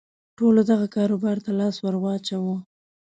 ټولو دغه کاروبار ته لاس ور واچاوه.